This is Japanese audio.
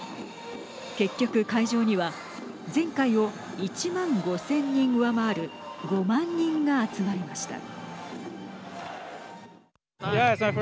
結局、会場には前回を１万５０００人上回る５万人が集まりました。